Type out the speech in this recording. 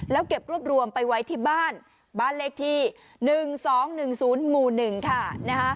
แล้วเก็บรวบรวมไปไว้ที่บ้านบ้านเลขที่๑๒๑๐หมู่๑ค่ะ